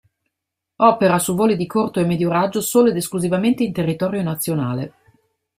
Opera su voli di corto e medio raggio solo ed esclusivamente in territorio nazionale.